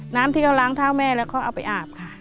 น้ำที่เขาล้างเท้าแม่แล้วเขาเอาไปอาบค่ะ